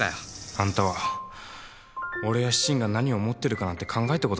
あんたは俺や森が何を思ってるかなんて考えたことがないんだろ。